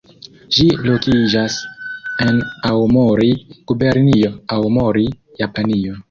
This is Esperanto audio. Ĝi lokiĝas en Aomori, Gubernio Aomori, Japanio.